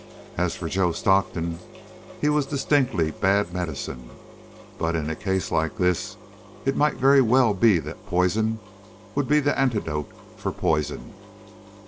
As for Joe Stockton, he was distinctly bad medicine, but in a case like this, it might very well be that poison would be the antidote for poison.